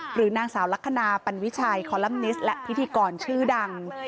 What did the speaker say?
หรือนางสาวลักษณะปันวิชัยคอลัมนิสและพิธีกรชื่อดัง